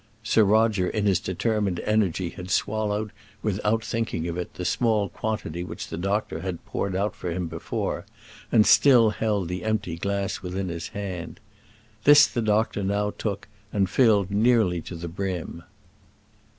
Sir Roger in his determined energy had swallowed, without thinking of it, the small quantity which the doctor had before poured out for him, and still held the empty glass within his hand. This the doctor now took and filled nearly to the brim.